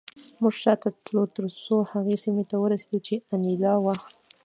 موږ شاته تلو ترڅو هغې سیمې ته ورسېدم چې انیلا وه